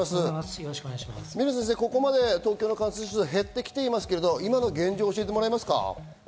水野先生、ここまで感染者数、東京減ってきていますが今の現状を教えてもらえますか？